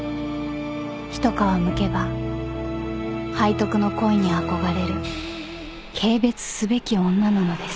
一皮むけば背徳の恋に憧れる軽蔑すべき女なのです］